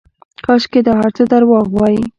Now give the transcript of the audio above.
کاشکې دا هرڅه درواغ واى.